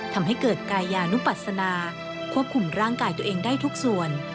ทำให้เกิดกายยานุปัศนาควบคุมร่างกายตัวเองได้ทุกส่วน